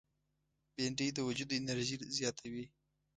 بېنډۍ د وجود انرژي زیاتوي